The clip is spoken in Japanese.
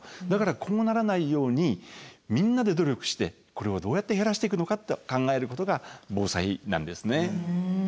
だからこうならないようにみんなで努力してこれをどうやって減らしていくのかって考えることが防災なんですね。